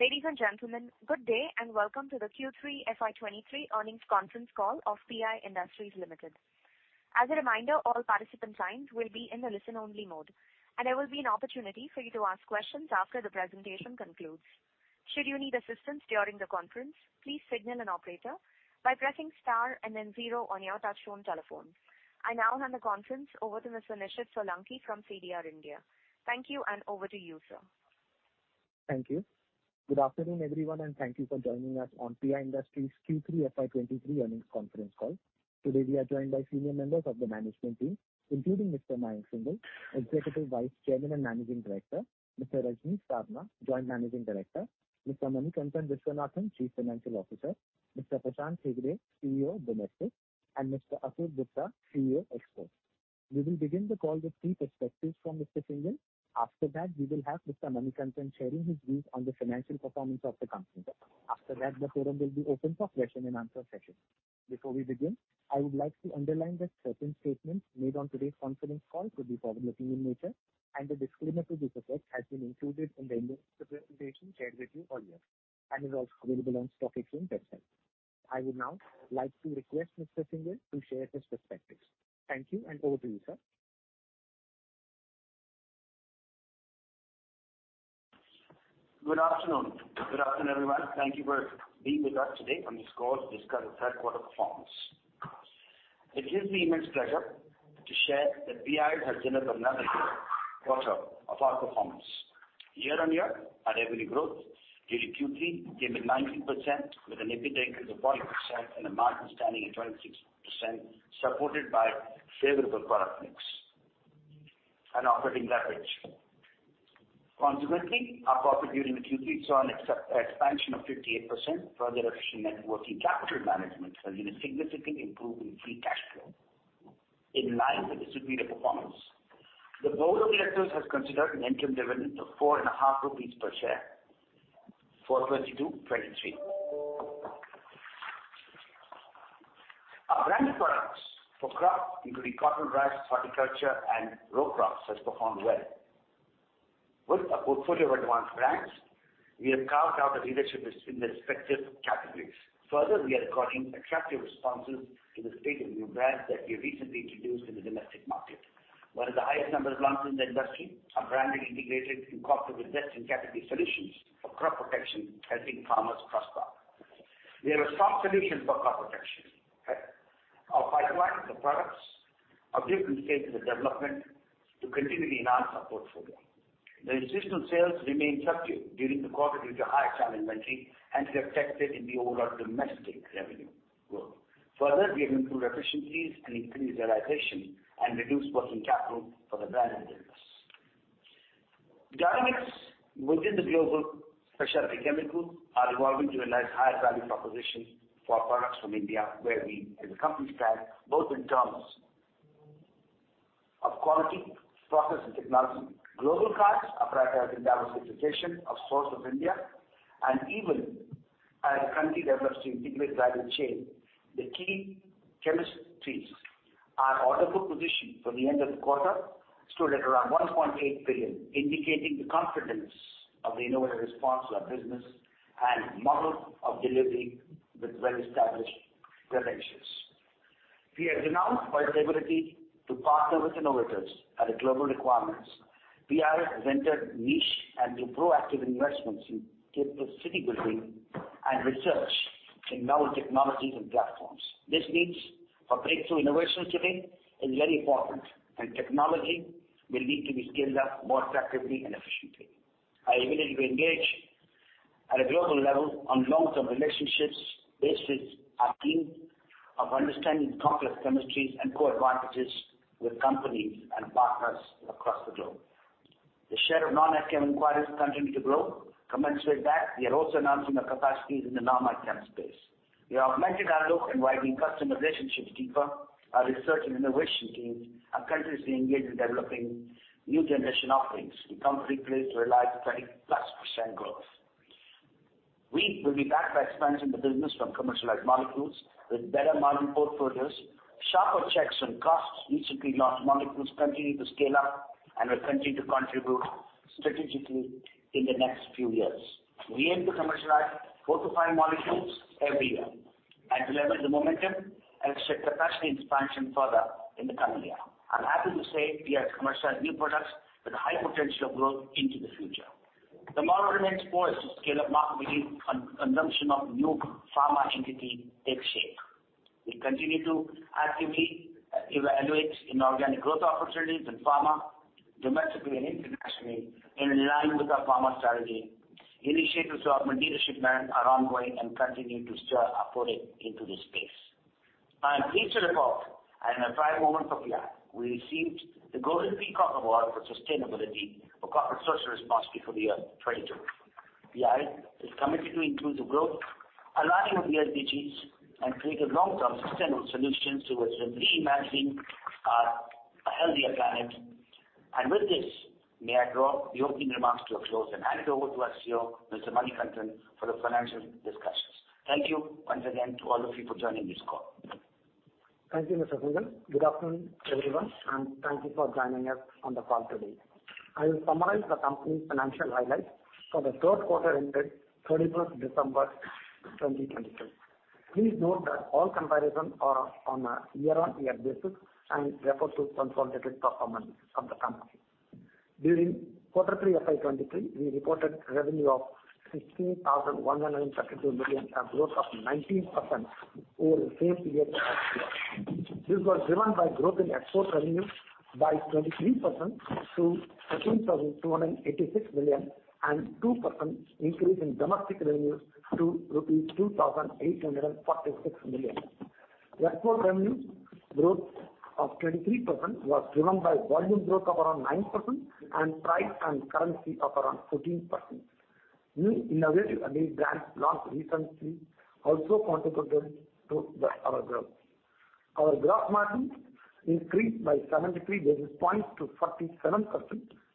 Ladies and gentlemen, good day, and welcome to the Q3 FY twenty-three earnings Conference Call of PI Industries Limited. As a reminder, all participant lines will be in a listen-only mode, and there will be an opportunity for you to ask questions after the presentation concludes. Should you need assistance during the conference, please signal an operator by pressing star and then zero on your touchtone telephone. I now hand the conference over to Mr. Nishid Solanki from CDR India. Thank you, over to you, sir. Thank you. Good afternoon, everyone, thank you for joining us on PI Industries Q3 FY23 earnings Conference Call. Today, we are joined by senior members of the management team, including Mr. Mayank Singhal, Executive Vice Chairman and Managing Director, Mr. Rajnish Singhal, Joint Managing Director, Mr. Manikantan Viswanathan, Chief Financial Officer, Mr. Prashant Hegde, CEO Domestic, and Mr. Atul Gupta, CEO Exports. We will begin the call with key perspectives from Mr. Singhal. After that, we will have Mr. Manikantan sharing his views on the financial performance of the company. After that, the forum will be open for question and answer session. Before we begin, I would like to underline that certain statements made on today's Conference Call could be forward-looking in nature and a disclaimer to this effect has been included in the investor presentation shared with you earlier and is also available on StockEdge website. I would now like to request Mr. Singhal to share his perspectives. Thank you, and over to you, sir. Good afternoon. Good afternoon, everyone. Thank you for being with us today on this call to discuss the Q3 performance. It gives me immense pleasure to share that PI has delivered another good quarter of our performance. Year-on-year, our revenue growth during Q3 came in 19% with an EBITDA growth of 40% and a margin standing at 26% supported by favorable product mix and operating leverage. Consequently, our profit during the Q3 saw an expansion of 58% further efficient net working capital management resulting in a significant improvement in free cash flow. In line with this superior performance, the board of directors has considered an interim dividend of ₹4.5 per share for 2022-23. Our branded products for crops including cotton, rice, horticulture and row crops has performed well. With a portfolio of advanced brands, we have carved out a leadership position in the respective categories. We are recording attractive responses to the state-of-the-art new brands that we recently introduced in the domestic market. One of the highest numbers launched in the industry, our branding integrated in crop with best-in-category solutions for crop protection, helping farmers prosper. We have a strong solution for crop protection. Our pipeline of the products are given state-of-the-development to continually enhance our portfolio. The institutional sales remained subdued during the quarter due to higher channel inventory and reflected in the overall domestic revenue growth. We have improved efficiencies and increased realization and reduced working capital for the brand business. Dynamics within the global specialty chemical are evolving to a nice higher value proposition for products from India, where we as a company stand both in terms of quality, process and technology. Global clients are prioritizing diversification of source of India even as country develops to integrate value chain. The key chemistries, our order book position for the end of the quarter stood at around $1.8 billion, indicating the confidence of the innovative response to our business and model of delivery with well-established credentials. We are renowned for our ability to partner with innovators at the global requirements. PI has entered niche and through proactive investments in capability building and research in novel technologies and platforms. This means our breakthrough innovation today is very important and technology will need to be scaled up more effectively and efficiently. Our ability to engage at a global level on long-term relationships basis are key of understanding complex chemistries and core advantages with companies and partners across the globe. The share of non-CSM inquiries continue to grow. Commensurate with that, we are also enhancing our capacities in the non-CSM space. We have augmented our look in widening customer relationships deeper. Our research and innovation teams are continuously engaged in developing new generation offerings to comfortably rely 30-plus % growth. We will be backed by expansion of the business from commercialized molecules with better margin portfolios. Sharper checks on costs. Recently launched molecules continue to scale up and will continue to contribute strategically in the next few years. We aim to commercialize 4 to 5 molecules every year and deliver the momentum and capacity expansion further in the coming year. I'm happy to say we have commercialized new products with a high potential growth into the future. Demand remains poor as the scale-up market begins consumption of new pharma entity takes shape. We continue to actively evaluate inorganic growth opportunities in pharma domestically and internationally in line with our pharma strategy. Initiatives with our leadership team are ongoing and continue to stir our footing into this space. I am pleased to report and a proud moment for PI. We received the Golden Peacock Award for Sustainability for Corporate Social Responsibility for the year 2022. PI is committed to inclusive growth aligning with the SDGs and create a long-term sustainable solutions towards reimagining a healthier planet. With this, may I draw the opening remarks to a close and hand it over to our CFO, Mr. Manikantan for the financial discussions. Thank you once again to all of you for joining this call. Thank you, Mr. Singhal. Good afternoon, everyone, and thank you for joining us on the call today. I will summarize the company's financial highlights for the Q3 ended 31st December 2022. Please note that all comparisons are on a year-over-year basis and refer to consolidated performance of the company. During quarter three FY23, we reported revenue of ₹16,132 million, a growth of 19% over the same period last year. This was driven by growth in export revenue by 23% to ₹13,286 million and 2% increase in domestic revenue to ₹2,846 million. Export revenue growth of 23% was driven by volume growth of around 9% and price and currency of around 14%. New innovative Amyl brand launched recently also contributed to our growth. Our gross margin increased by 73 basis points to 47%,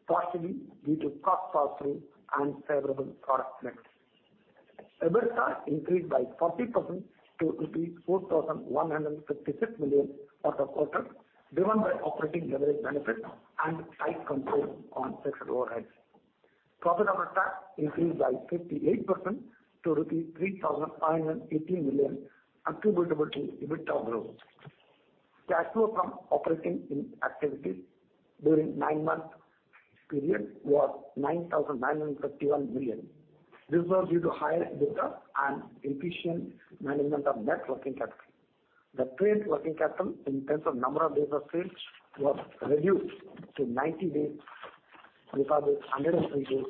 partially due to cost passing and favorable product mix. EBITDA increased by 40% to ₹4,156 million for the quarter, driven by operating leverage benefit and tight control on fixed overheads. Profit after tax increased by 58% to ₹3,580 million attributable to EBITDA growth. Cash flow from operating in activities during nine-month period was ₹9,951 million. This was due to higher data and efficient management of net working capital. The trade working capital in terms of number of days of sales was reduced to 90 days compared with 103 days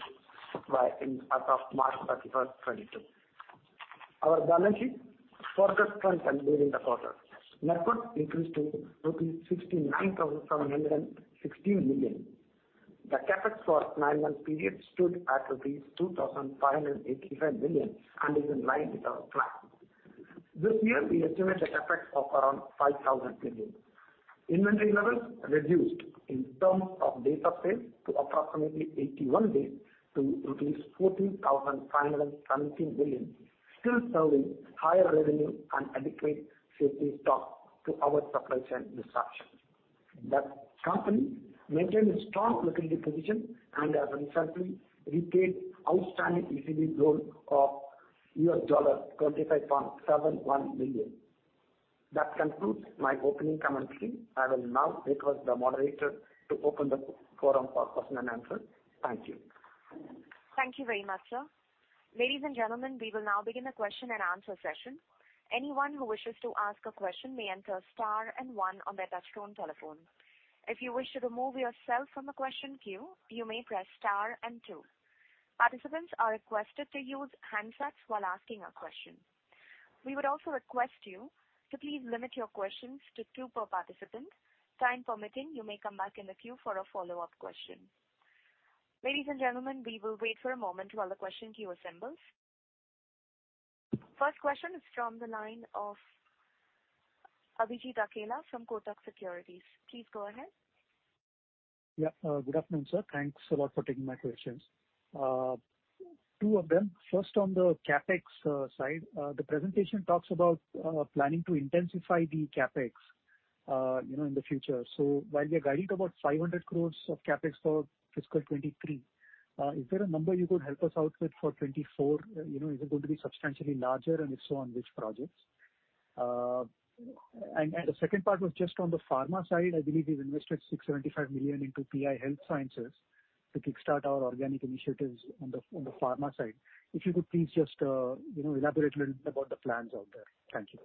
as of 31st March, 2022. Our balance sheet further strengthened during the quarter. Net worth increased to ₹69,760 million. The CapEx for 9-month period stood at ₹2,585 million and is in line with our plan. This year we estimate a CapEx of around ₹5,000 million. Inventory levels reduced in terms of days of sales to approximately 81 days to ₹14,517 million, still serving higher revenue and adequate safety stock to our supply chain disruptions. The company maintained a strong liquidity position and as a result repaid outstanding ECB loan of $25.71 million. That concludes my opening comments. I will now request the moderator to open the q-forum for question and answer. Thank you. Thank you very much, sir. Ladies and gentlemen, we will now begin the question and answer session. Anyone who wishes to ask a question may enter star 1 on their touchtone telephone. If you wish to remove yourself from the question queue, you may press star 2. Participants are requested to use handsets while asking a question. We would also request you to please limit your questions to 2 per participant. Time permitting, you may come back in the queue for a follow-up question. Ladies and gentlemen, we will wait for a moment while the question queue assembles. First question is from the line of Abhijit Akella from Kotak Securities. Please go ahead. Yeah, good afternoon, sir. Thanks a lot for taking my questions. Two of them. First, on the CapEx side. The presentation talks about planning to intensify the CapEx, you know, in the future. While we are guided about ₹500 crores of CapEx for fiscal 2023, is there a number you could help us out with for 2024? You know, is it going to be substantially larger, and if so, on which projects? The second part was just on the pharma side. I believe you've invested ₹675 million into PI Health Sciences to kickstart our organic initiatives on the, on the pharma side. If you could please just, you know, elaborate a little bit about the plans out there. Thank you.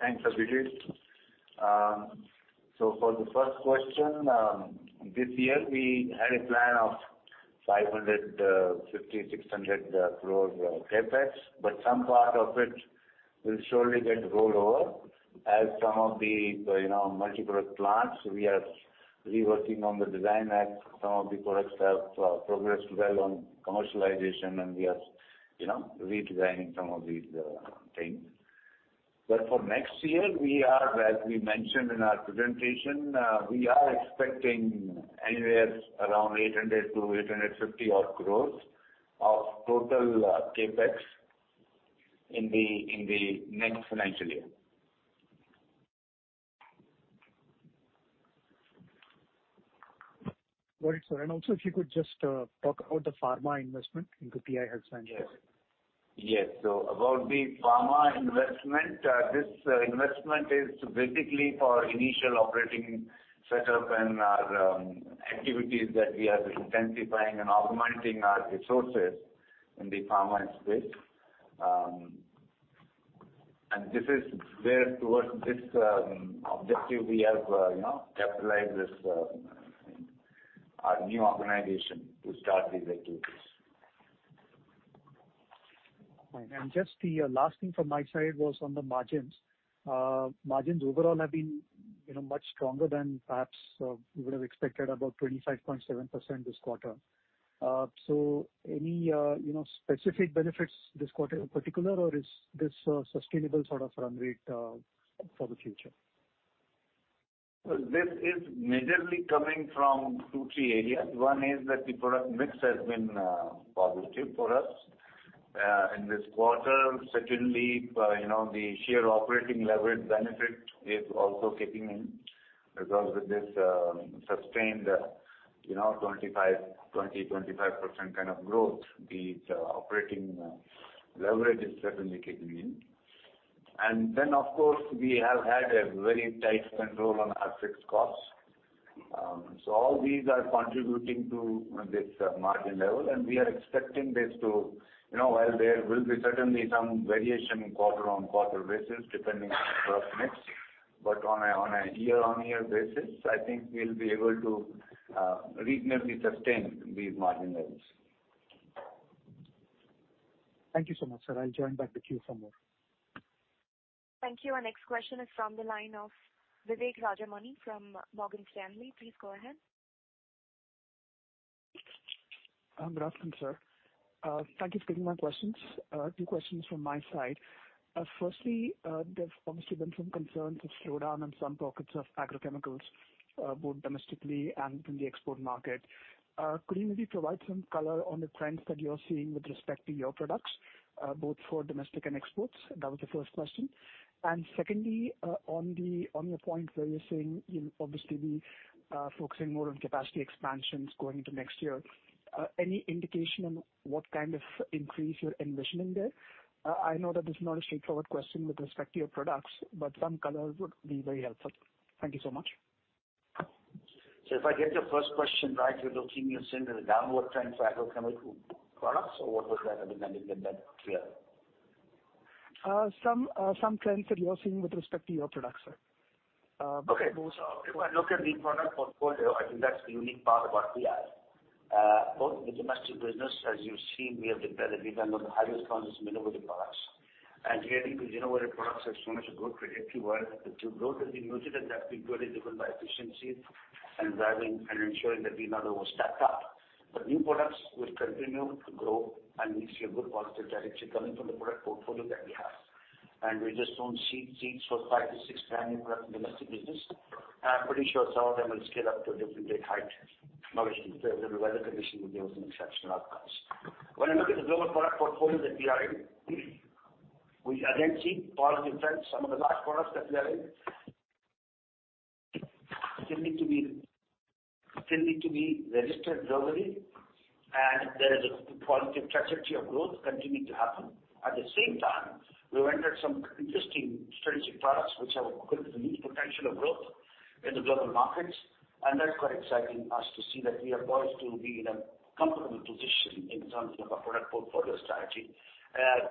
Thanks, Abhijeet. For the first question, this year we had a plan of ₹550-600 crore CapEx, but some part of it will surely get rolled over as some of the, you know, multiproduct plants we are reworking on the design and some of the products have progressed well on commercialization and we are, you know, redesigning some of these things. For next year, we are, as we mentioned in our presentation, we are expecting anywhere around ₹800-850 crore of total CapEx in the next financial year. Got it, sir. Also if you could just talk about the pharma investment into PI Health Sciences. Yes. About the pharma investment, this investment is basically for initial operating setup and activities that we are intensifying and augmenting our resources in the pharma space. This is where towards this objective we have, you know, capitalized this our new organization to start these activities. Fine. Just the last thing from my side was on the margins. margins overall have been, you know, much stronger than perhaps we would've expected about 25.7% this quarter. Any, you know, specific benefits this quarter in particular, or is this a sustainable run rate for the future? This is majorly coming from two, three areas. One is that the product mix has been positive for us in this quarter. Certainly, you know, the sheer operating leverage benefit is also kicking in because with this sustained, you know, 25, 20, 25% kind of growth, the operating leverage is certainly kicking in. Then, of course, we have had a very tight control on our fixed costs. All these are contributing to this margin level, and we are expecting this to. You know, while there will certainly be some variation quarter-on-quarter basis, depending on product mix, but on a year-on-year basis, I think we'll be able to reasonably sustain these margin levels. Thank you so much, sir. I'll join back the queue for more. Thank you. Our next question is from the line of Vivek Rajamani from Morgan Stanley. Please go ahead. Good afternoon, sir. Thank you for taking my questions. Two questions from my side. Firstly, there's obviously been some concerns of slowdown in some pockets of agrochemicals, both domestically and in the export market. Could you maybe provide some color on the trends that you're seeing with respect to your products, both for domestic and exports? That was the first question. Secondly, on your point where you're saying you'll obviously be focusing more on capacity expansions going into next year, any indication on what kind of increase you're envisioning there? I know that this is not a straightforward question with respect to your products, but some color would be very helpful. Thank you so much. If I get your first question right, you're saying there's a downward trend for agrochemical products, or what was that? I didn't get that clear. Some, some trends that you're seeing with respect to your products, sir. Okay. If I look at the product portfolio, I think that's the unique part of what we have. Both the domestic business, as you've seen, we have a better development of the highest conscious innovative products. Getting these innovative products has shown us a good creative work. The growth has been muted, and that's been really driven by efficiencies and driving and ensuring that we are almost stacked up. New products will continue to grow, and we see a good positive direction coming from the product portfolio that we have. We just don't see five to six brand new products in domestic business. I'm pretty sure some of them will scale up to a different great height, now that the weather condition will give us an exceptional outcomes. When I look at the global product portfolio that we are in, we again see positive trends. Some of the large products that we are in still need to be registered globally, and there is a positive trajectory of growth continuing to happen. At the same time, we've entered some interesting strategic products which have good potential of growth in the global markets, and that's quite exciting us to see that we are poised to be in a comfortable position in terms of our product portfolio strategy.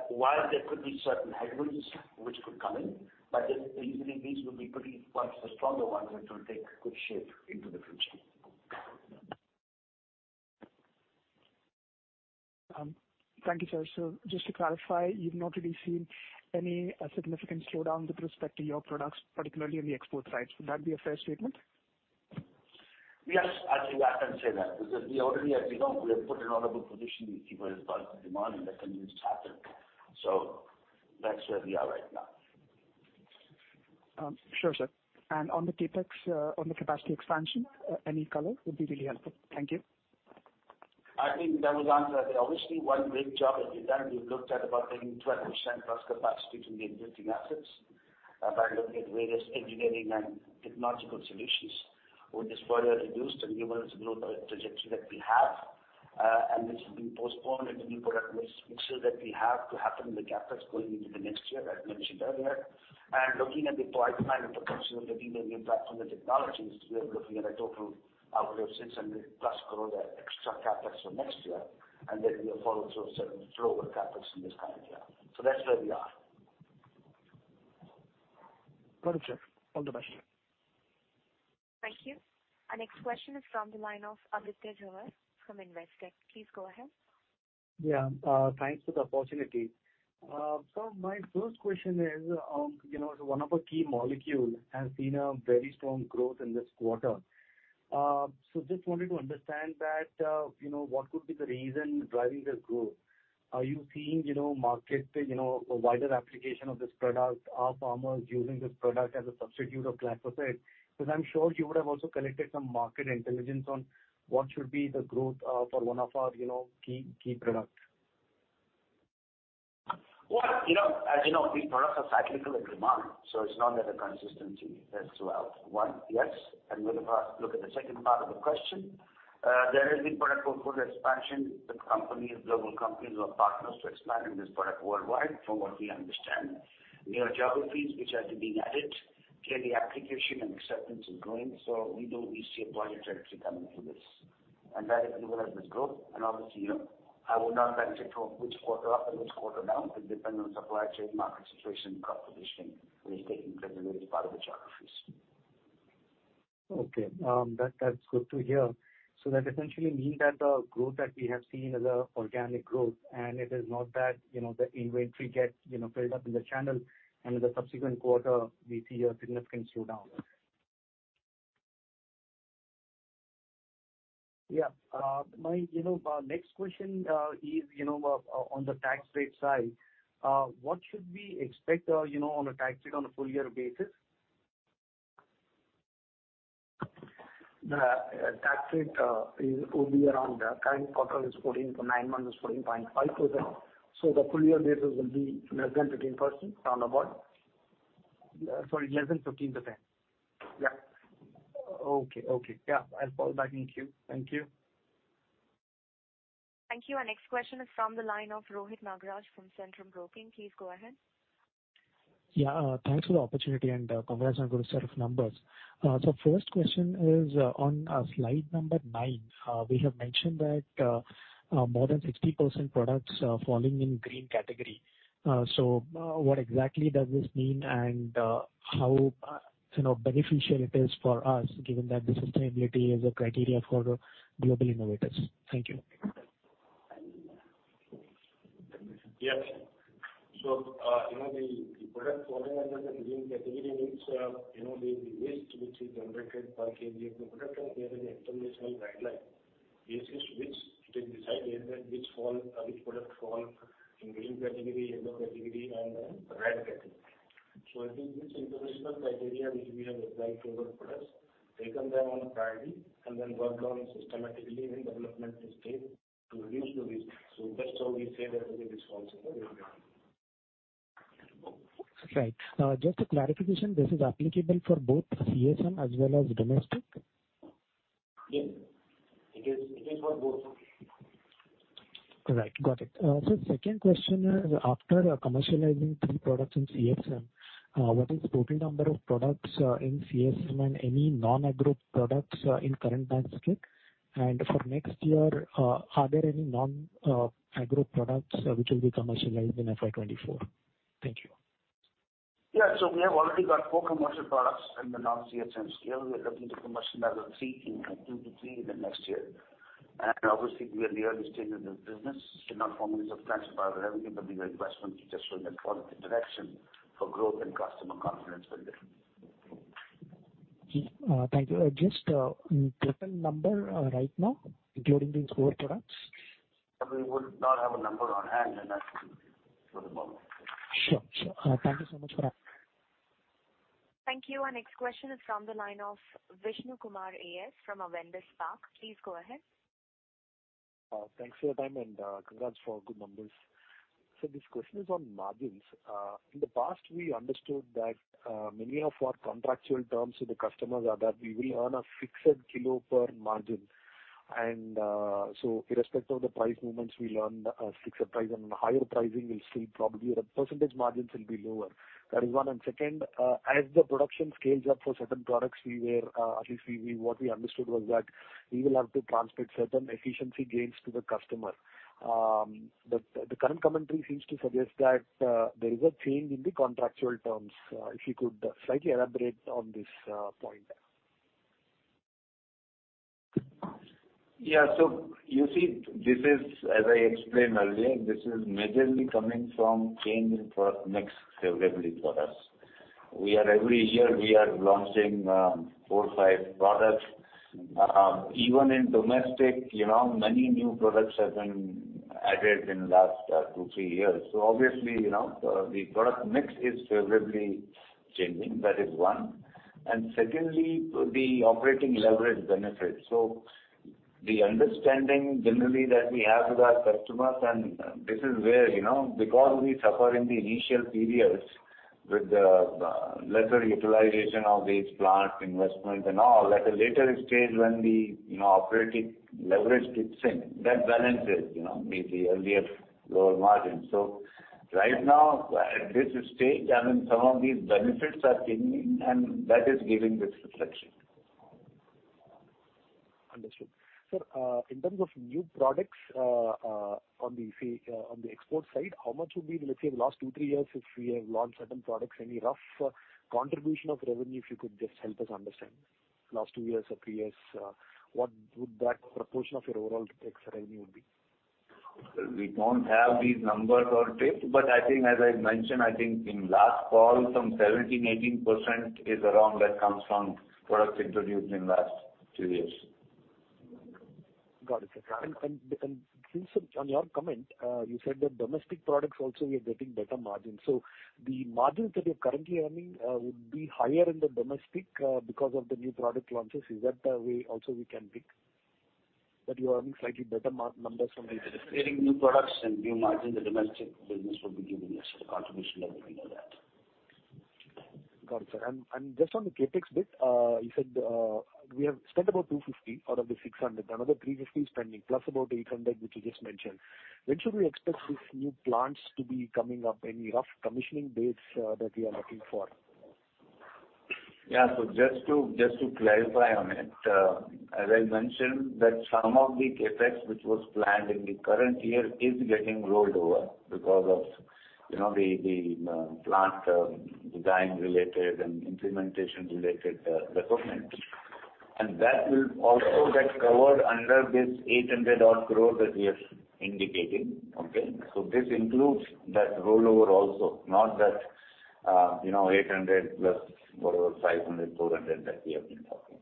While there could be certain headwinds which could come in, but usually these will be pretty, quite the stronger ones which will take good shape into the future. Thank you, sir. Just to clarify, you've not really seen any significant slowdown with respect to your products, particularly on the export side. Would that be a fair statement? Yes. Actually, I can say that. We already, as you know, we have put in all our good position with people who've got the demand, and that continues to happen. That's where we are right now. Sure, sir. On the CapEx, on the capacity expansion, any color would be really helpful. Thank you. I think that will answer that. Obviously, one great job that we've done, we've looked at about taking 12%+ capacity between the existing assets, by looking at various engineering and technological solutions, which is further reduced and given us a global trajectory that we have. This has been postponed in the new product mix, which show that we have to happen in the CapEx going into the next year, as mentioned earlier. Looking at the pipeline and potential that we may impact from the technologies, we are looking at a total outflow of ₹600+ crore extra CapEx for next year. We'll follow through certain flow of CapEx in this current year. That's where we are. Got it, sir. All the best. Thank you. Our next question is from the line of Aditya Jhawar from Investec. Please go ahead. Yeah. Thanks for the opportunity. My first question is, you know, one of our key molecule has seen a very strong growth in this quarter. Just wanted to understand that, you know, what could be the reason driving this growth? Are you seeing, you know, market, you know, a wider application of this product? Are farmers using this product as a substitute of glyphosate? I'm sure you would have also collected some market intelligence on what should be the growth, for one of our, you know, key products. Well, you know, as you know, these products are cyclical in demand. It's not that the consistency is throughout. One, yes. With regard, look at the second part of the question. There has been product portfolio expansion. The company and global companies were partners to expanding this product worldwide, from what we understand. New geographies which are being added, clearly application and acceptance is growing. We see a positive trajectory coming through this. That is the growth. Obviously, you know, I would not like to talk which quarter up and which quarter down. It depends on supply chain, market situation, crop position is taking place in various part of the geographies. Okay. That's good to hear. That essentially means that the growth that we have seen is a organic growth, and it is not that, you know, the inventory gets, you know, filled up in the channel and in the subsequent quarter we see a significant slowdown. Yeah. My, you know, next question, is, you know, on the tax rate side. What should we expect, you know, on a tax rate on a full-year basis? The tax rate will be around current quarter is 14, so nine months is 14.5%. The full-year basis will be less than 15% roundabout. Sorry, less than 15%? Yeah. Okay. Okay. Yeah, I'll fall back in queue. Thank you. Thank you. Our next question is from the line of Rohit Nagraj from Centrum Broking. Please go ahead. Yeah. Thanks for the opportunity and congrats on good set of numbers. First question is on slide number 9. We have mentioned that more than 60% products are falling in green category. What exactly does this mean and how you know beneficial it is for us, given that the sustainability is a criteria for global innovators? Thank you. Yes. You know, the product falling under the green category means, you know, the waste which is generated per kg of the product. We have an international guideline basis which it is decided that which product fall in green category, yellow category, and then red category. I think this international criteria which we have applied to our products, taken them on a priority, and then worked on systematically in development stage to reduce the risk. That's how we say that this falls under green category. Right. Now, just a clarification, this is applicable for both CSM as well as domestic? Yes. It is for both. Right. Got it. Second question is, after commercializing three products in CSM, what is total number of products in CSM and any non-agro products in current basket? For next year, are there any non-agro products which will be commercialized in FY24? Thank you. We have already got four commercial products in the non-CSM scale. We are looking to commercialize three in 2-3 in the next year. Obviously, we are in the early stage of this business, should not form any substantial part of the revenue, but these are investments which are showing a positive direction for growth and customer confidence building. Thank you. Just current number right now, including these four products. We would not have a number on hand in that for the moment. Sure. Thank you so much for that. Thank you. Our next question is from the line of Vishnu Kumar AS from Avendus Spark. Please go ahead. Thanks for your time and congrats for good numbers. This question is on margins. In the past, we understood that many of our contractual terms with the customers are that we will earn a fixed kilo per margin. Irrespective of the price movements, we'll earn the fixed price and higher pricing, we'll see probably the percentage margins will be lower. That is one. Second, as the production scales up for certain products, we were... Actually, we, what we understood was that we will have to transmit certain efficiency gains to the customer. The current commentary seems to suggest that there is a change in the contractual terms. If you could slightly elaborate on this point? Yeah. You see this is, as I explained earlier, this is majorly coming from change in product mix favorably for us. We are every year we are launching, four, five products. Even in domestic, you know, many new products have been added in last two, three years. Obviously, you know, the product mix is favorably changing. That is one. Secondly, the operating leverage benefits. The understanding generally that we have with our customers, and this is where, you know, because we suffer in the initial periods with the lesser utilization of these plant investment and all, at a later stage when the, you know, operating leverage kicks in, that balances, you know, with the earlier lower margin. Right now at this stage, I mean, some of these benefits are kicking in, and that is giving this reflection. Understood. Sir, in terms of new products, on the export side, how much would be, let's say in the last 2, 3 years, if we have launched certain products, any rough contribution of revenue, if you could just help us understand? Last 2 years or 3 years, what would that proportion of your overall sales revenue would be? We don't have these numbers or bits, but I think as I mentioned, I think in last call, some 17%-18% is around that comes from products introduced in last two years. Got it, sir. Since on your comment, you said that domestic products also we are getting better margins. The margins that you're currently earning would be higher in the domestic because of the new product launches. Is that a way also we can pick? That you are earning slightly better numbers from the- Creating new products and new margin, the domestic business would be giving us the contribution level, you know that. Got it, sir. Just on the CapEx bit, you said, we have spent about ₹250 out of the ₹600, another ₹350 spending plus about ₹800, which you just mentioned. When should we expect these new plants to be coming up? Any rough commissioning dates that you are looking for? Yeah. Just to clarify on it, as I mentioned that some of the CapEx which was planned in the current year is getting rolled over because of, you know, the plant design related and implementation related requirements. That will also get covered under this ₹800 odd crore that we are indicating. Okay? This includes that rollover also, not that, you know, ₹800 plus whatever, ₹500, ₹400 that we have been talking.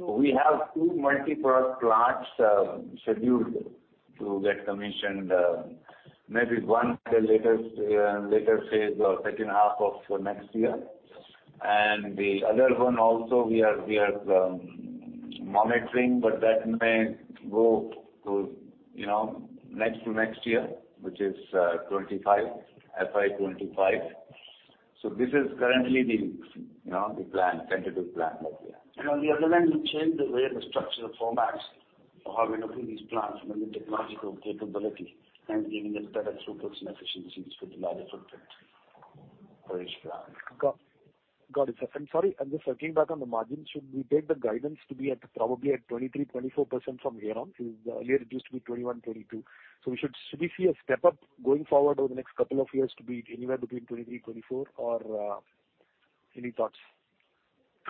We have 2 multiproduct plants scheduled to get commissioned, maybe one at a later phase or second half of next year. The other one also we are monitoring, but that may go to, you know, next to next year, which is 25, FY25. This is currently the, you know, the plan, tentative plan that we have. On the other hand, we changed the way the structure of formats for how we look at these plants, mainly technological capability and giving it better throughputs and efficiencies with larger footprint for each plant. Got, got it, sir. I'm sorry, I'm just checking back on the margins. Should we take the guidance to be at probably at 23%-24% from here on? Because earlier it used to be 21%-22%. Should we see a step up going forward over the next couple of years to be anywhere between 23%-24% or any thoughts?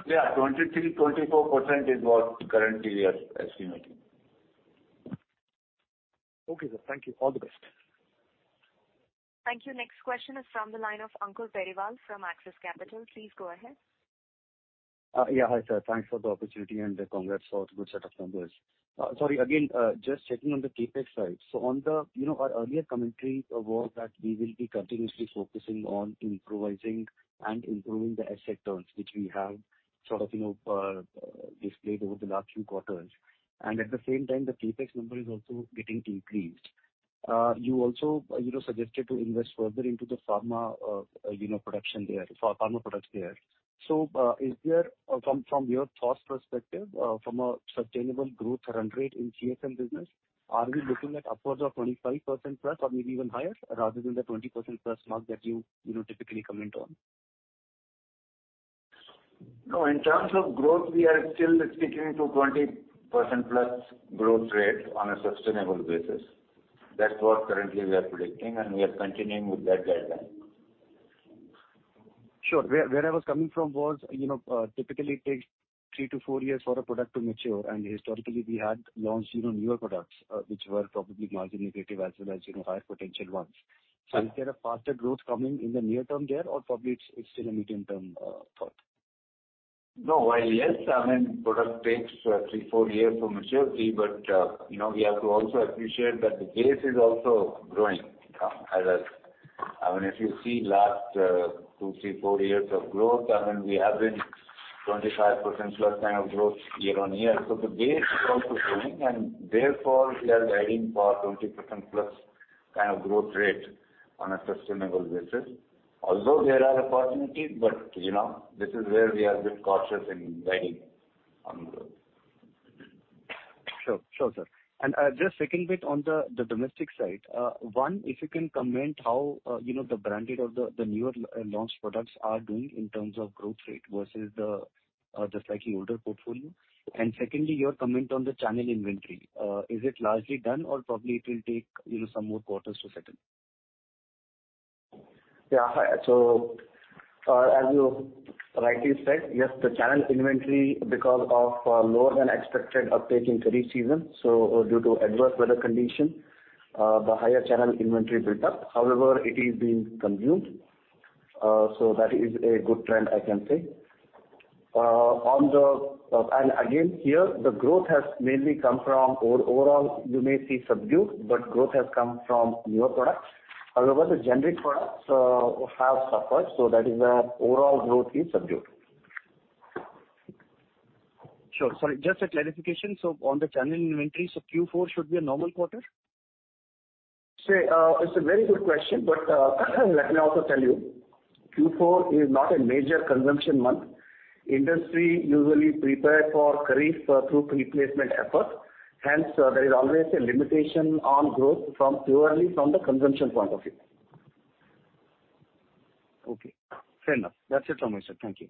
Yeah. 23%-24% is what currently we are estimating. Okay, sir. Thank you. All the best. Thank you. Next question is from the line of Ankur Periwal from Axis Capital. Please go ahead. Yeah. Hi, sir. Thanks for the opportunity. Congrats on good set of numbers. Sorry, again, just checking on the CapEx side. On the, you know, our earlier commentary was that we will be continuously focusing on improvising and improving the asset turns, which we have sort of, you know, displayed over the last few quarters. At the same time, the CapEx number is also getting increased. You also, you know, suggested to invest further into the pharma, you know, production there, pharma products there. Is there, from your thoughts perspective, from a sustainable growth run rate in CSM business, are we looking at upwards of 25%+ or maybe even higher rather than the 20%+ mark that you know, typically comment on? No, in terms of growth, we are still sticking to 20% plus growth rate on a sustainable basis. That's what currently we are predicting, and we are continuing with that guideline. Sure. Where I was coming from was, you know, typically it takes three to four years for a product to mature. Historically we had launched, you know, newer products, which were probably margin negative as well as, you know, higher potential ones. Right. Is there a faster growth coming in the near term there or probably it's still a medium-term thought? No. While, yes, I mean, product takes, three, four years for maturity, but, you know, we have to also appreciate that the base is also growing. I mean, if you see last, two, three, four years of growth, I mean, we have been 25% plus kind of growth year-on-year. The base is also growing and therefore we are guiding for 20% plus kind of growth rate on a sustainable basis. Although there are opportunities, but you know, this is where we are bit cautious in guiding on growth. Sure. Sure, sir. Just second bit on the domestic side. One, if you can comment how, you know, the branding of the newer, launched products are doing in terms of growth rate versus the slightly older portfolio. Secondly, your comment on the channel inventory. Is it largely done or probably it will take, you know, some more quarters to settle? Yeah. As you rightly said, yes, the channel inventory because of lower than expected uptake in kharif season, so due to adverse weather condition, the higher channel inventory built up. However, it is being consumed. That is a good trend I can say. Here the growth has mainly come from or overall you may see subdued, but growth has come from newer products. However, the generic products have suffered, that is where overall growth is subdued. Sure. Sorry, just a clarification. On the channel inventory, Q4 should be a normal quarter? Say, it's a very good question, but, let me also tell you, Q4 is not a major consumption month. Industry usually prepare for kharif through pre-placement effort. Hence, there is always a limitation on growth from purely from the consumption point of view. Okay. Fair enough. That's it from me, sir. Thank you.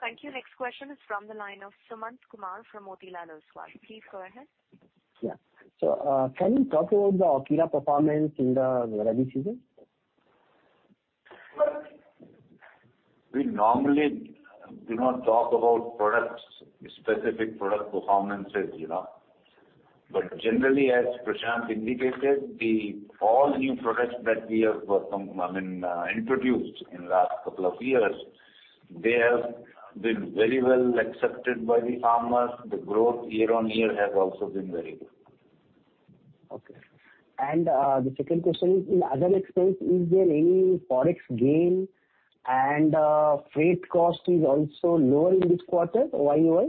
Thank you. Next question is from the line of Sumant Kumar from Motilal Oswal. Please go ahead. Yeah. Can you talk about the Osheen performance in the kharif season? We normally do not talk about products, specific product performances, you know. Generally, as Prashant indicated, the all new products that we have, I mean, introduced in last couple of years, they have been very well accepted by the farmers. The growth year-on-year has also been very good. Okay. The second question is, in other expense, is there any Forex gain and freight cost is also lower in this quarter YOY?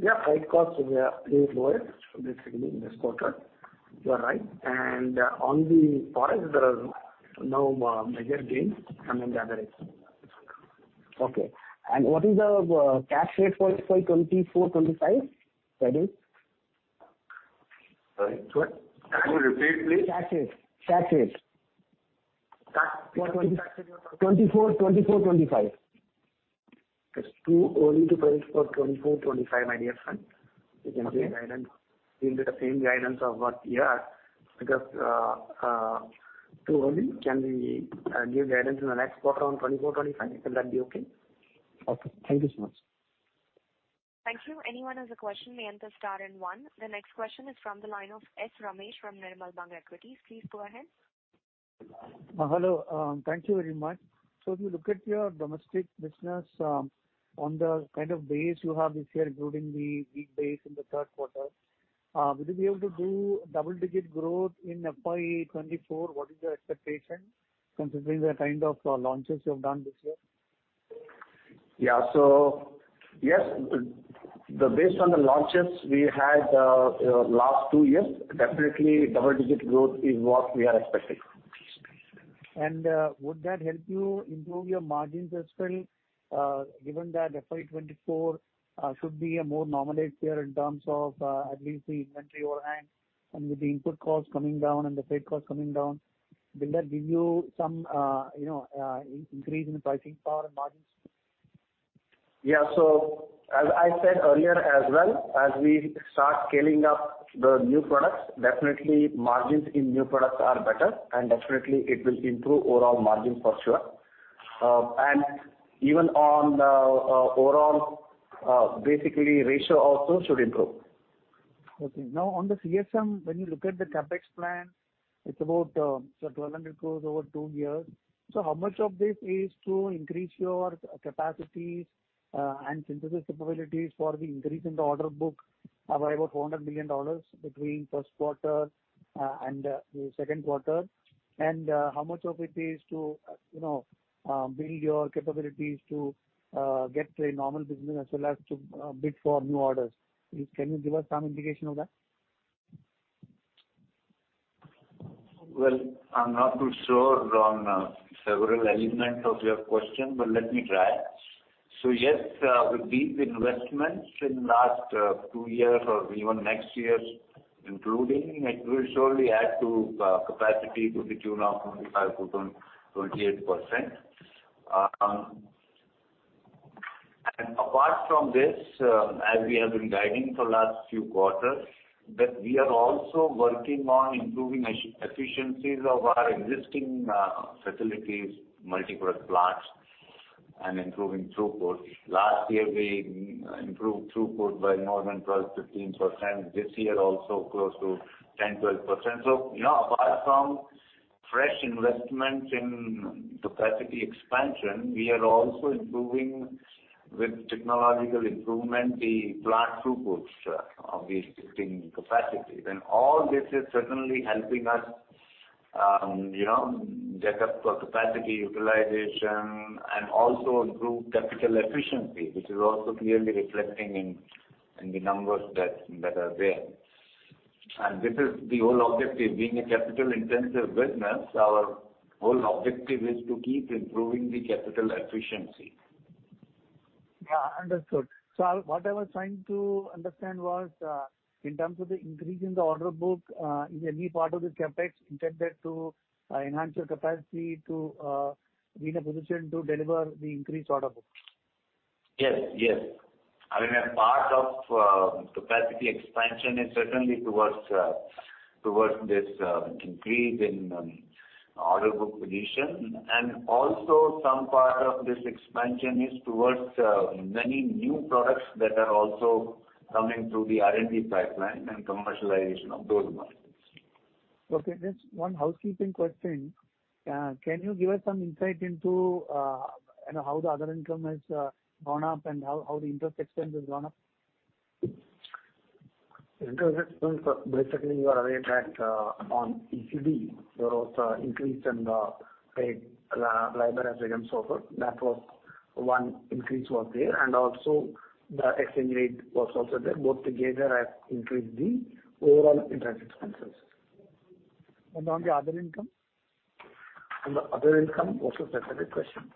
Yeah. Freight cost is lower basically in this quarter. You are right. On the Forex, there are no major gains coming the other way. Okay. what is the cash rate for FY 2024, 2025 guidance? Sorry. What? Can you repeat, please? Cash rate. Cash, what cash are you talking about? 2024, 2025. It's too early to tell for 2024, 2025, my dear friend. Okay. The same guidance. It will be the same guidance of what we are, because, too early. Can we give guidance in the next quarter on 24, 25? Will that be okay? Okay. Thank you so much. Thank you. Anyone has a question may enter star and one. The next question is from the line of Ramesh Sankaranarayanan from Nirmal Bang Equities. Please go ahead. Hello. Thank you very much. If you look at your domestic business, on the kind of base you have this year, including the weak base in the Q3, will you be able to do double-digit growth in FY24? What is your expectation considering the kind of, launches you have done this year? Yes, the base on the launches we had, last two years, definitely double-digit growth is what we are expecting. Would that help you improve your margins as well, given that FY 2024 should be a more normalized year in terms of at least the inventory overhang and with the input costs coming down and the freight costs coming down, will that give you some, you know, increase in pricing power and margins? Yeah. As I said earlier as well, as we start scaling up the new products, definitely margins in new products are better, and definitely it will improve overall margins for sure. Even on the overall basically ratio also should improve. Okay. Now, on the CSM, when you look at the CapEx plan, it's about, say 1,200 crores over two years. How much of this is to increase your capacities and synthesis capabilities for the increase in the order book of about $400 million between Q1 and the Q2r? How much of it is to, you know, build your capabilities to get to a normal business as well as to bid for new orders? Please can you give us some indication of that? Well, I'm not too sure on several elements of your question, but let me try. Yes, with these investments in last two years or even next years including, it will surely add to capacity to the tune of 25%-28%. Apart from this, as we have been guiding for last few quarters, that we are also working on improving efficiencies of our existing facilities, multipurpose plants and improving throughput. Last year we improved throughput by more than 12%, 15%. This year also close to 10%, 12%. You know, apart from fresh investments in capacity expansion, we are also improving with technological improvement, the plant throughputs of the existing capacities. All this is certainly helping us, you know, get up to a capacity utilization and also improve capital efficiency, which is also clearly reflecting in the numbers that are there. This is the whole objective. Being a capital-intensive business, our whole objective is to keep improving the capital efficiency. Yeah, understood. What I was trying to understand was, in terms of the increase in the order book, is any part of this CapEx intended to enhance your capacity to be in a position to deliver the increased order book? Yes. Yes. I mean, a part of capacity expansion is certainly towards this increase in order book position. Some part of this expansion is towards many new products that are also coming through the R&D pipeline and commercialization of those markets. Okay. Just 1 housekeeping question. Can you give us some insight into, you know, how the other income has gone up and how the interest expense has gone up? Interest expense, basically you are aware that, on ECD there was a increase in the library as against offer. That was one increase was there, and also the exchange rate was also there. Both together have increased the overall interest expenses. On the other income? On the other income, what's the specific question?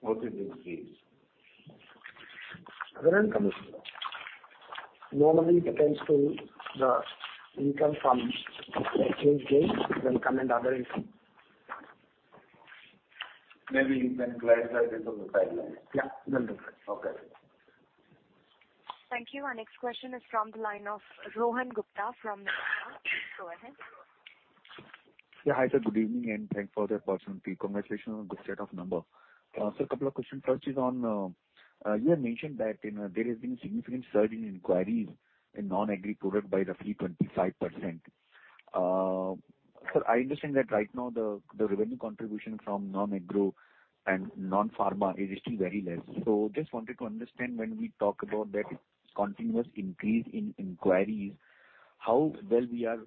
What is increased? Other income is normally it attends to the income from exchange gains. It will come in other income. Maybe you can clarify this on the sidelines. Yeah. Will do. Okay. Thank you. Our next question is from the line of Rohan Gupta from Go ahead. Hi, sir. Good evening, and thanks for the opportunity. Congratulations on a good set of numbers. A couple of questions. First is on, you had mentioned that, you know, there has been a significant surge in inquiries in non-agro product by roughly 25%. I understand that right now the revenue contribution from non-agro and non-pharma is still very less. Just wanted to understand when we talk about that continuous increase in inquiries, how well we are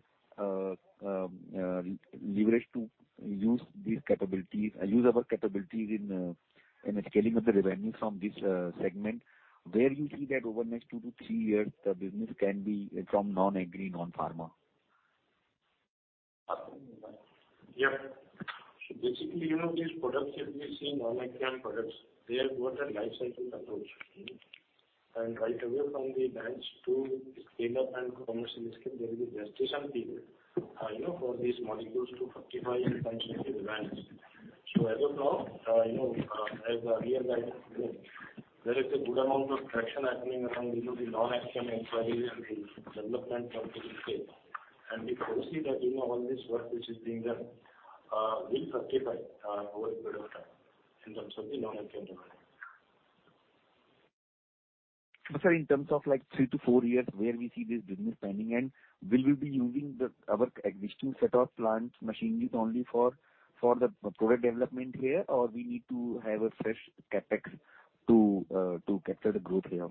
leveraged to use these capabilities and use our capabilities in the scaling of the revenue from this segment, where you see that over next 2-3 years the business can be from non-agro, non-pharma. Yeah. Basically, you know, these products, if we see non-agro products, they have got a life cycle approach. Right away from the bench to scale-up and commercial scale, there will be gestation period, you know, for these molecules to justify investment in the brands. As of now, you know, as we are guiding, you know, there is a good amount of traction happening around, you know, the non-agro inquiries and the development portfolio. If obviously that, you know, all this work which is being done, will certify over a period of time in terms of the non-Acephate revenue. Sir, in terms of like 3-4 years, where we see this business planning? Will we be using the, our existing set of plants, machinery only for the product development here, or we need to have a fresh CapEx to capture the growth here?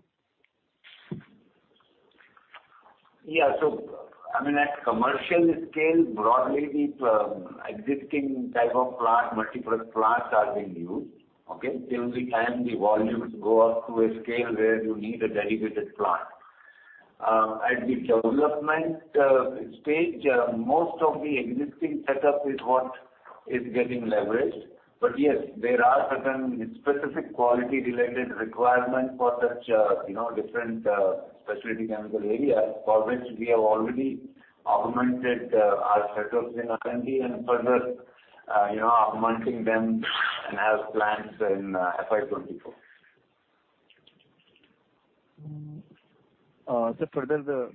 Yeah. I mean, at commercial scale, broadly, the existing type of plant, multipurpose plants are being used. Okay? Till the time the volumes go up to a scale where you need a dedicated plant. At the development stage, most of the existing setup is what is getting leveraged. Yes, there are certain specific quality related requirements for such, you know, different specialty chemical areas for which we have already augmented our set of R&D and further, you know, augmenting them and have plans in FY24. Further,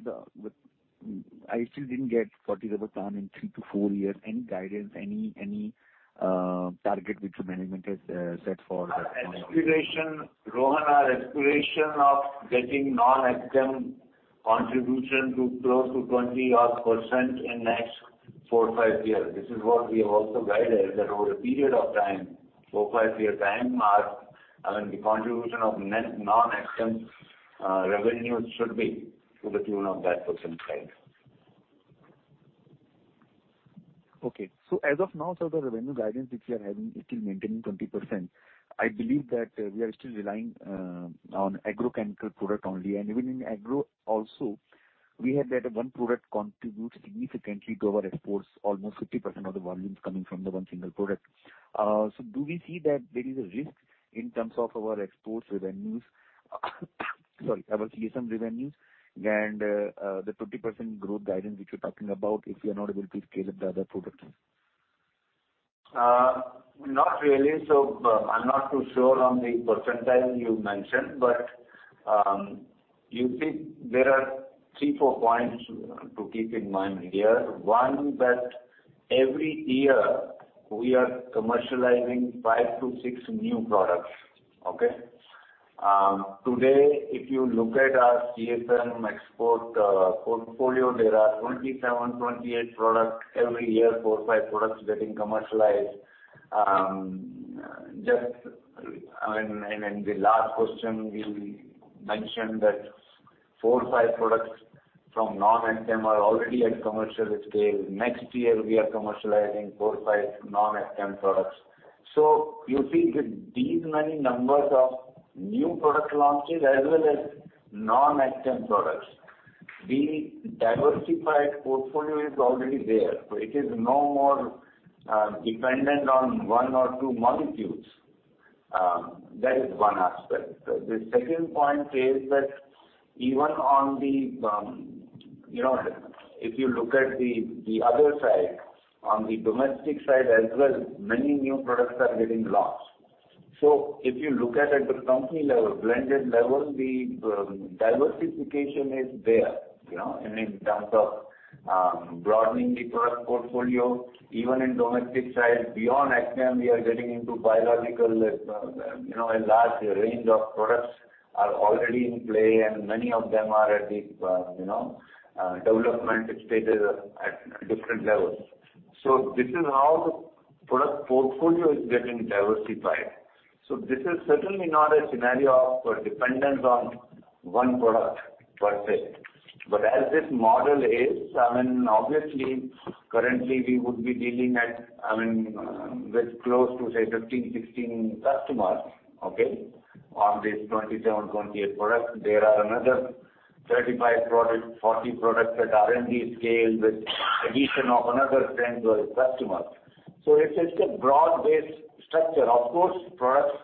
I still didn't get what is the plan in 3 to 4 years. Any guidance, any target which the management has set? Our aspiration, Rohan, our aspiration of getting non-Acephate contribution to close to 20% in next 4-5 years. This is what we have also guided that over a period of time, 4-5 year time mark, I mean, the contribution of net non-Acephate revenue should be to the tune of that %. Okay. As of now, sir, the revenue guidance which we are having, it is maintaining 20%. I believe that we are still relying on agrochemical product only. Even in agro also we have that one product contributes significantly to our exports. Almost 50% of the volume is coming from the one single product. Do we see that there is a risk in terms of our exports revenues? Sorry, our CSM revenues and the 20% growth guidance which you're talking about if you're not able to scale up the other products? Not really. I'm not too sure on the percentile you mentioned, but you see there are 3, 4 points to keep in mind here. One, that every year we are commercializing 5-6 new products. Okay? Today, if you look at our CSM export portfolio, there are 27, 28 products. Every year 4, 5 products getting commercialized. Just, I mean, in the last question, we mentioned that 4, 5 products from non-Acephate are already at commercial scale. Next year we are commercializing 4, 5 non-Acephate products. These many numbers of new product launches as well as non-Acephate products. The diversified portfolio is already there. It is no more dependent on 1 or 2 molecules. That is one aspect. The second point is that even on the, you know, if you look at the other side, on the domestic side as well, many new products are getting launched. If you look at the company level, blended level, the diversification is there, you know, in terms of broadening the product portfolio, even in domestic side, beyond Acephate, we are getting into biological, you know, a large range of products are already in play, and many of them are at the, you know, development stages at different levels. This is how the product portfolio is getting diversified. This is certainly not a scenario of a dependence on one product per se. As this model is, I mean, obviously currently we would be dealing at, I mean, with close to say 15-16 customers, okay, on this 27-28 products. There are another 35 products, 40 products at R&D scale with addition of another 10 customers. It is a broad-based structure. Of course, products,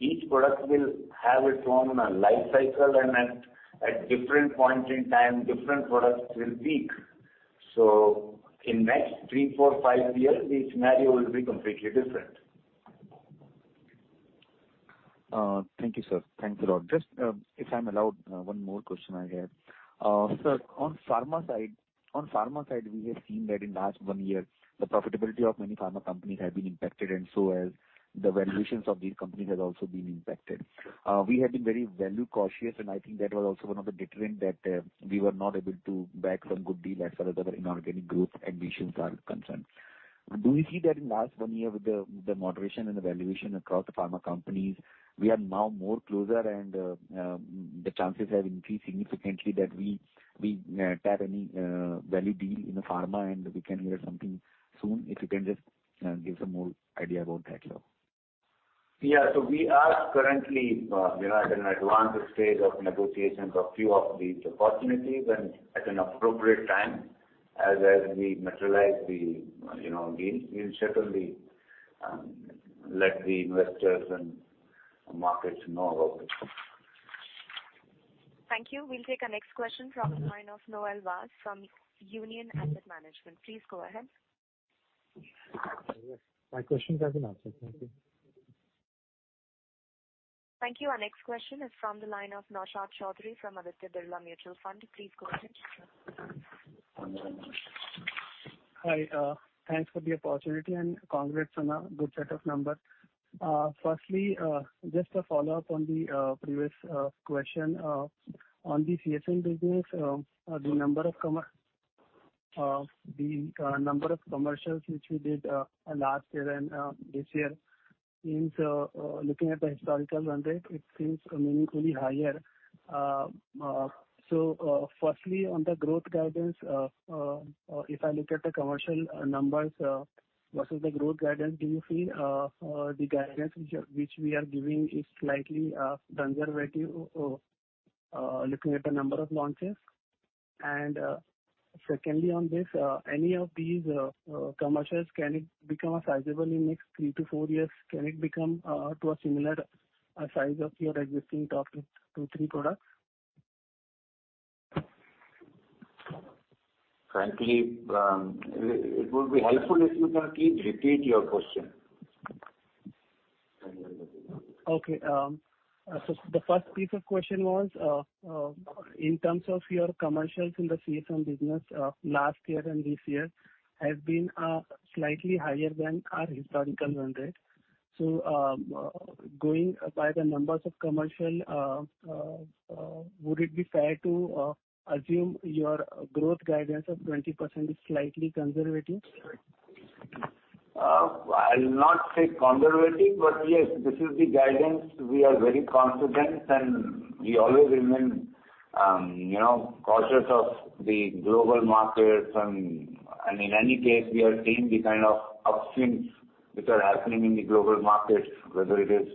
each product will have its own life cycle and at different point in time different products will peak. In next three, four, five years, the scenario will be completely different. Thank you, sir. Thanks a lot. Just, if I'm allowed, one more question I have. Sir, on pharma side, on pharma side, we have seen that in last one year the profitability of many pharma companies have been impacted and so as the valuations of these companies has also been impacted. We have been very value cautious, and I think that was also one of the deterrent that we were not able to back some good deal as far as our inorganic growth ambitions are concerned. Do we see that in last one year with the moderation and the valuation across the pharma companies, we are now more closer and the chances have increased significantly that we tap any value deal in the pharma and we can hear something soon? If you can just, give some more idea about that, sir. Yeah. We are currently, you know, at an advanced stage of negotiations of few of these opportunities and at an appropriate time as we materialize the, you know, deal, we'll certainly let the investors and markets know about it. Thank you. We'll take our next question from the line of Noel Vaz from Union Asset Management. Please go ahead. My question has been answered. Thank you. Thank you. Our next question is from the line of Naushad Chaudhary from Aditya Birla Mutual Fund. Please go ahead. Hi, thanks for the opportunity, congrats on a good set of numbers. Firstly, just a follow-up on the previous question on the CSM business. The number of commercials which we did last year, this year means looking at the historical run rate, it seems meaningfully higher. Firstly, on the growth guidance, if I look at the commercial numbers versus the growth guidance, do you feel the guidance which we are giving is slightly conservative looking at the number of launches? Secondly on this, any of these commercials, can it become sizable in next three to four years? Can it become to a similar size of your existing top two, three products? Frankly, it would be helpful if you can please repeat your question. Okay. The first piece of question was in terms of your commercials in the CSM business, last year and this year has been slightly higher than our historical run rate. Going by the numbers of commercial, would it be fair to assume your growth guidance of 20% is slightly conservative? I'll not say conservative, but yes, this is the guidance. We are very confident, and we always remain, you know, cautious of the global markets. In any case, we are seeing the kind of upswings which are happening in the global markets, whether it is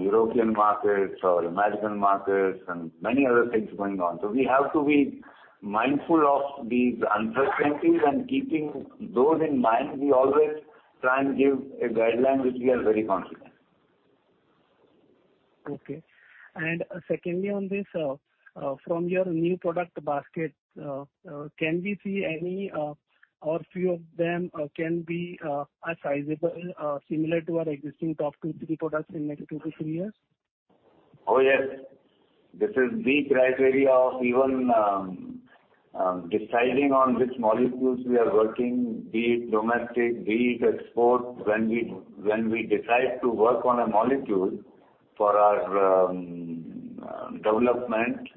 European markets or American markets, and many other things going on. We have to be mindful of these uncertainties, and keeping those in mind, we always try and give a guideline which we are very confident. Okay. Secondly on this, from your new product basket, can we see any, or few of them can be sizable, similar to our existing top 2, 3 products in next 2 to 3 years? Oh, yes. This is the criteria of even, deciding on which molecules we are working, be it domestic, be it export. When we decide to work on a molecule for our development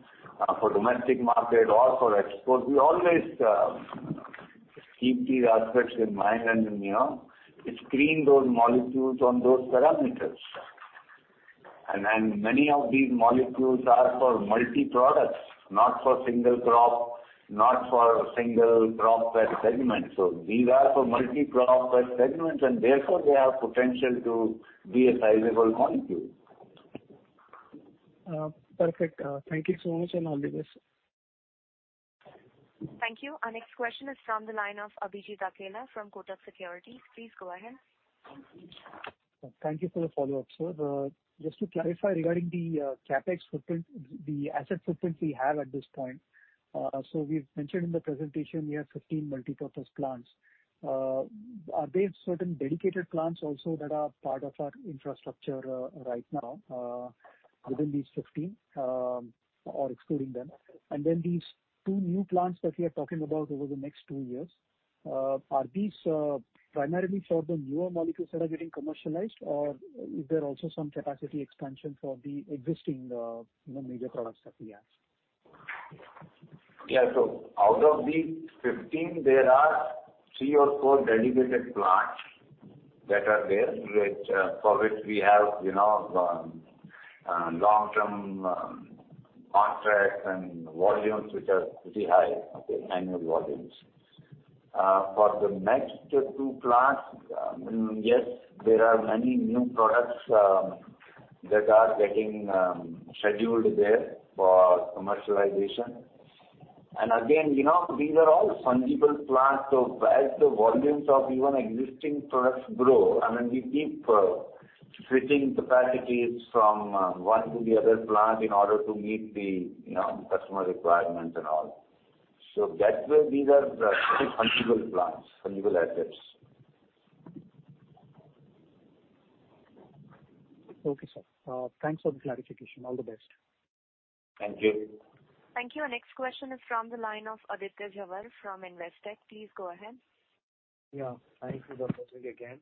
for domestic market or for export, we always keep these aspects in mind, and, you know, screen those molecules on those parameters. Then many of these molecules are for multi-products, not for single crop, not for single crop per segment. These are for multi-crop per segment, and therefore they have potential to be a sizable molecule. Perfect. Thank you so much and all the best. Thank you. Our next question is from the line of Abhijit Akella from Kotak Securities. Please go ahead. Thank you for the follow-up, sir. Just to clarify regarding the, CapEx footprint, the asset footprint we have at this point. We've mentioned in the presentation we have 15 multi-purpose plants. Are there certain dedicated plants also that are part of our infrastructure, right now, within these 15, or excluding them? Then these 2 new plants that we are talking about over the next 2 years, are these, primarily for the newer molecules that are getting commercialized, or is there also some capacity expansion for the existing, you know, major products that we have? Yeah. Out of these 15, there are 3 or 4 dedicated plants that are there, which, for which we have, you know, long-term contracts and volumes which are pretty high. Okay. Annual volumes. For the next 2 plants, yes, there are many new products that are getting scheduled there for commercialization. Again, you know, these are all fungible plants. As the volumes of even existing products grow, I mean, we keep switching capacities from one to the other plant in order to meet the, you know, customer requirements and all. That way these are fungible plants, fungible assets. Okay, sir. Thanks for the clarification. All the best. Thank you. Thank you. Our next question is from the line of Aditya Jhawar from Investec. Please go ahead. Thank you for the opportunity again.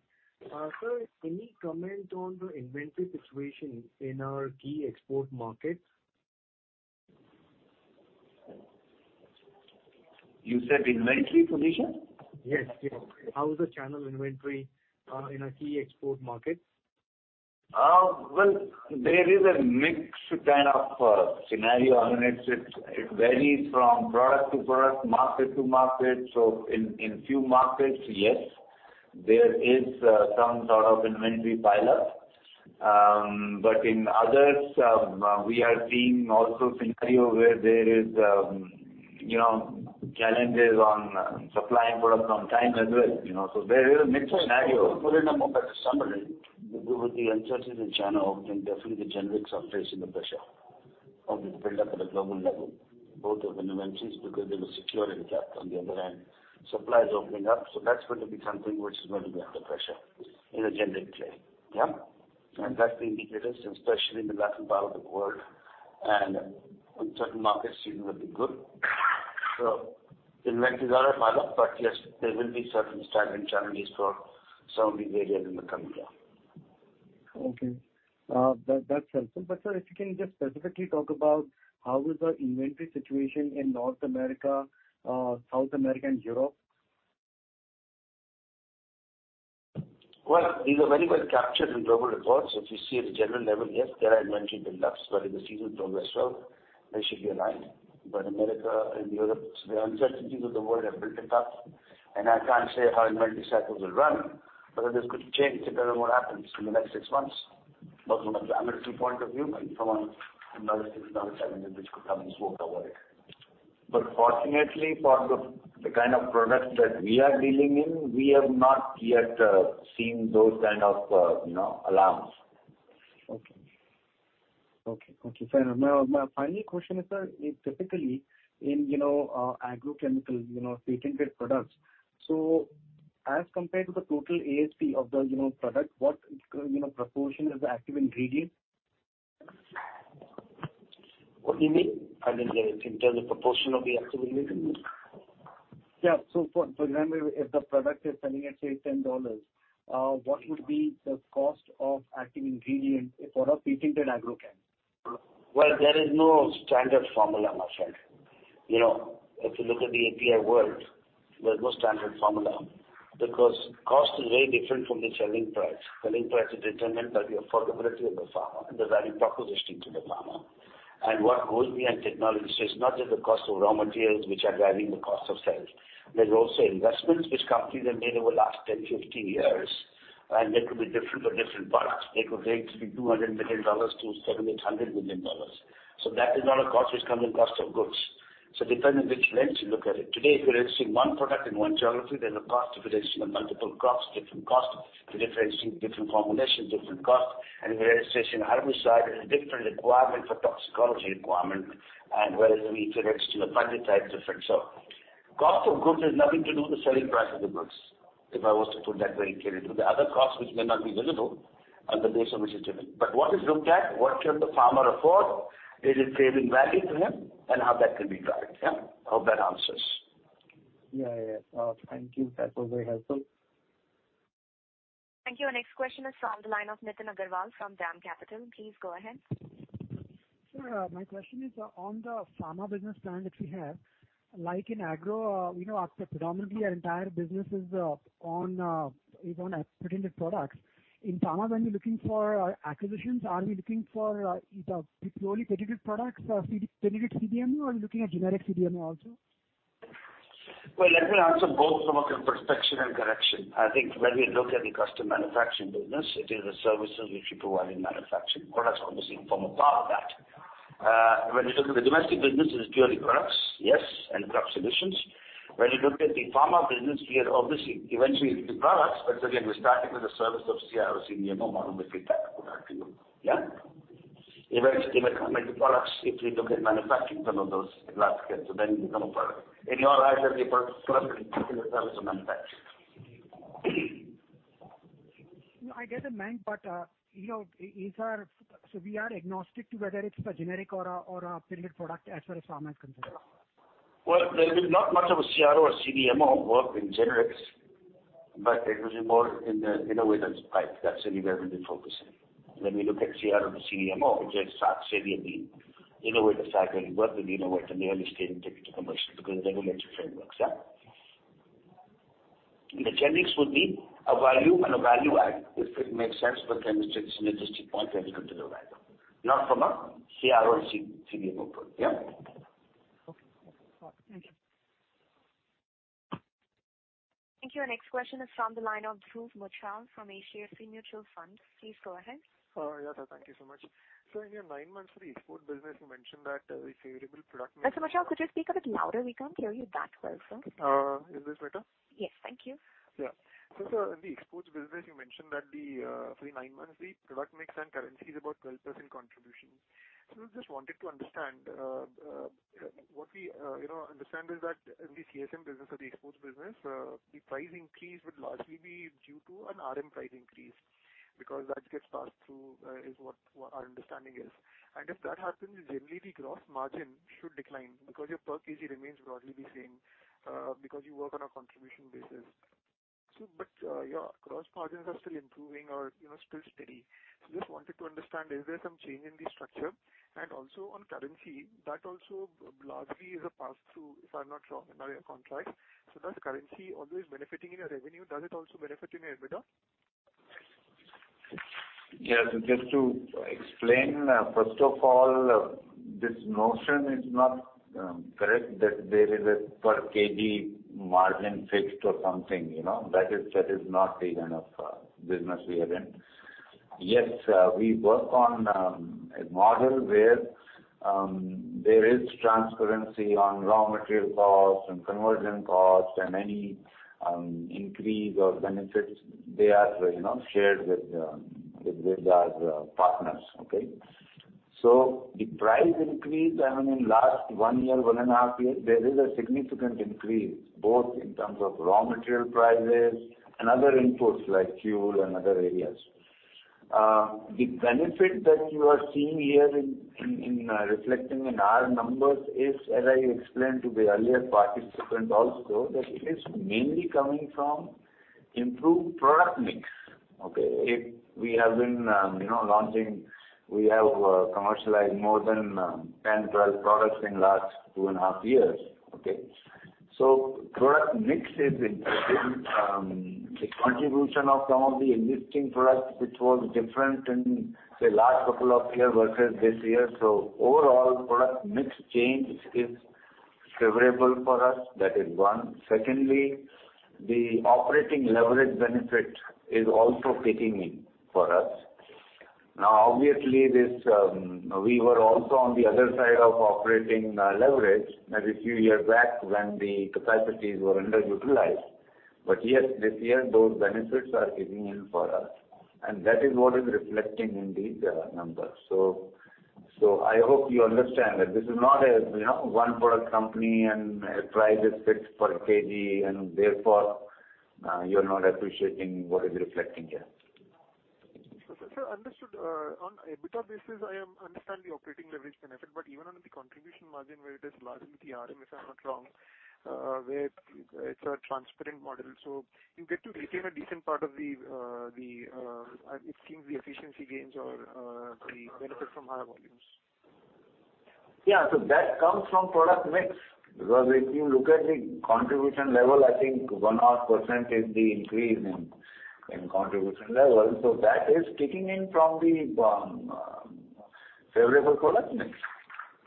Sir, any comment on the inventory situation in our key export markets? You said inventory position? Yes. Yes. How is the channel inventory in our key export markets? Well, there is a mixed kind of scenario. I mean, it varies from product to product, market to market. In, in few markets, yes, there is some inventory pileup. But in others, we are seeing also scenario where there is, you know, challenges on supplying product on time as well, you know. There is a mixed scenario. Summary with the uncertainty in China, then definitely the generics are facing the pressure. Of the build up at a global level, both of the inventories, because they were secure in depth. Supply is opening up, so that's going to be something which is going to be under pressure in a generic way. That's the indicators, and especially in the Latin part of the world and in certain markets even will be good. Inventories are a pile up, but yes, there will be certain stagnant challenges for some of these areas in the coming year. Okay. that's helpful. Sir, if you can just specifically talk about how is the inventory situation in North America, South America and Europe? Well, these are very well captured in global reports. If you see at a general level, yes, there are inventory build-ups, but if the season progress well, they should be aligned. America and Europe, the uncertainties of the world have built it up, and I can't say how inventory cycles will run. This could change depending on what happens in the next 6 months, both from an inventory point of view and from another 6 months' time in which could come and swoop over it. Fortunately for the kind of products that we are dealing in, we have not yet seen those kind of, you know, alarms. Okay. Okay, okay, sir. Now my final question is, sir, typically in, you know, agrochemicals, you know, patented products, as compared to the total ASP of the, you know, product, what, you know, proportion is the active ingredient? What do you mean? I mean, in terms of proportion of the active ingredient? Yeah. For example, if the product is selling at, say, $10, what would be the cost of active ingredient for a patented agrochem? Well, there is no standard formula, my friend. You know, if you look at the API world, there's no standard formula because cost is very different from the selling price. Selling price is determined by the affordability of the farmer and the value proposition to the farmer. What goes beyond technology, so it's not just the cost of raw materials which are driving the cost of sales. There's also investments which companies have made over the last 10, 15 years, and they could be different for different products. They could range from $200 million to $700-$800 million. That is not a cost which come in cost of goods. Depending which lens you look at it. Today, if you're interested in one product in one geography, there's a cost. If it is in a multiple crops, different cost. If you're differentiating different formulations, different cost. If you're interested in herbicide, there's a different requirement for toxicology requirement and whether it needs to be registered. Cost of goods has nothing to do with the selling price of the goods. If I was to put that very clearly. The other costs which may not be visible are the base on which it's driven. What is looked at, what can the farmer afford? Is it creating value to him? How that can be derived. Yeah. Hope that answers. Yeah. Thank you. That was very helpful. Thank you. Our next question is from the line of Nitin Agarwal from DAM Capital. Please go ahead. Sir, my question is on the pharma business plan that we have. In agro, you know, predominantly our entire business is on patented products. In pharma when you're looking for acquisitions, are we looking for either purely patented products or patented CDMO or looking at generic CDMO also? Well, let me answer both from a perspective and correction. I think when we look at the custom manufacturing business, it is a services which you provide in manufacturing products, obviously from a part of that. When you look at the domestic business, it is purely products, yes, and product solutions. When you look at the pharma business, we are obviously eventually the products. Again, we're starting with a service of CRO, CDMO model with that product, yeah. Eventually products, if we look at manufacturing some of those landscapes, so then become a product. In your eyes, every product is a service or manufacturing. I get it, man, you know, we are agnostic to whether it's a generic or a patented product as far as pharma is concerned. There is not much of a CRO or CDMO work in generics, but it was more in the innovators pipe. That's where we've been focusing. When we look at CRO and CDMO, it just starts say at the innovator side, where you work with the innovator nearly staying till you take it to commercial because of regulatory frameworks, yeah. The generics would be a value and a value add, if it makes sense for chemistry and logistics point when it comes to the value. Not from a CRO or CDMO point. Yeah. Okay. Okay. Got it. Thank you. Thank you. Our next question is from the line of Dhruv Muchhal from HDFC Mutual Fund. Please go ahead. Yeah, sir. Thank you so much. In your nine months for the export business, you mentioned that the favorable product mix. Mr. Muchhal, could you speak a bit louder? We can't hear you that well, sir. Is this better? Yes. Thank you. Yeah. Sir, in the exports business, you mentioned that the three, nine months, the product mix and currency is about a 12% contribution. Just wanted to understand what we, you know, understand is that in the CSM business or the exports business, the price increase would largely be due to an RM price increase, because that gets passed through, is what our understanding is. If that happens, generally the gross margin should decline because your per kg remains broadly the same, because you work on a contribution basis. But your gross margins are still improving or, you know, still steady. Just wanted to understand, is there some change in the structure? Also on currency, that also largely is a pass-through, if I'm not wrong, in your contracts. Does currency always benefiting in your revenue, does it also benefit in your EBITDA? Yes. Just to explain, first of all, this notion is not correct that there is a per KG margin fixed or something, you know. That is not the kind of business we are in. Yes, we work on a model where there is transparency on raw material costs and conversion costs and any increase or benefits they are, you know, shared with our partners. Okay? The price increase, I mean, in last one year, one and a half years, there is a significant increase both in terms of raw material prices and other inputs like fuel and other areas. The benefit that you are seeing here in reflecting in our numbers is, as I explained to the earlier participant also, that it is mainly coming from improved product mix. Okay? If we have been, you know, launching, we have commercialized more than 10, 12 products in last two and a half years. Okay? Product mix is improving. The contribution of some of the existing products, which was different in, say, last couple of years versus this year. Overall product mix change is favorable for us. That is one. Secondly, the operating leverage benefit is also kicking in for us. Now, obviously, this, we were also on the other side of operating leverage maybe a few years back when the capacities were underutilized. Yes, this year those benefits are kicking in for us, and that is what is reflecting in these numbers. I hope you understand that this is not a, you know, one product company and prices fixed per kg and therefore, you're not appreciating what is reflecting here. Sir, understood. On EBITDA basis, I am understand the operating leverage benefit. Even under the contribution margin where it is largely the RMS, if I'm not wrong, where it's a transparent model, you get to retain a decent part of the, I think the efficiency gains or, the benefit from higher volumes. Yeah. That comes from product mix, because if you look at the contribution level, I think one-half % is the increase in contribution level. That is kicking in from the favorable product mix.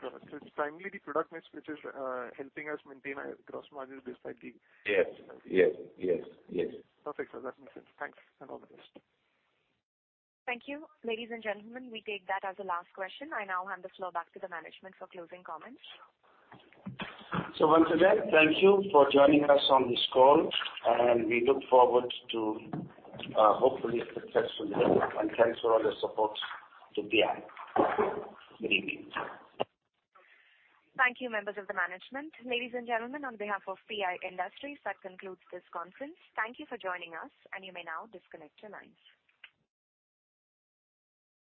it's primarily the product mix which is helping us maintain our gross margin despite. Yes. Yes, yes. Perfect. That makes sense. Thanks, and all the best. Thank you. Ladies and gentlemen, we take that as the last question. I now hand the floor back to the management for closing comments. Once again, thank you for joining us on this call and we look forward to hopefully a successful year and thanks for all your support to PI. Good evening. Thank you, members of the management. Ladies and gentlemen, on behalf of PI Industries, that concludes this conference. Thank you for joining us and you may now disconnect your lines.